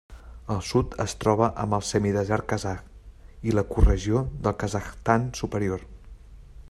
Al sud es troba amb el semidesert kazakh i l'ecoregió del Kazakhstan superior.